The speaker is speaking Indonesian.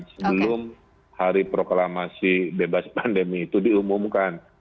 sebelum hari proklamasi bebas pandemi itu diumumkan